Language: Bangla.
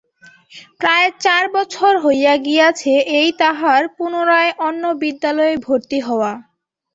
প্রায় চার পাঁচ বছর হইয়া গিয়াছে-এই তাহার পুনরায় অন্য বিদ্যালয়ে ভর্তি হওয়া।